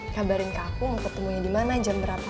kabarin ke aku mau ketemunya dimana jam berapa